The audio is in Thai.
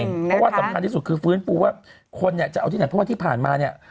เพราะว่าสำคัญที่สุดคือฟื้นฟูว่าคนเนี่ยจะเอาที่ไหนเพราะว่าที่ผ่านมาเนี่ย